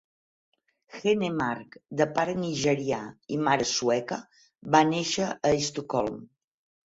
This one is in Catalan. Henemark, de pare nigerià i mare sueca, va néixer a Estocolm.